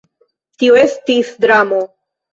Tio estis dramo.